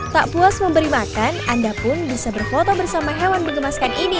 tak puas memberi makan anda pun bisa berfoto bersama hewan mengemaskan ini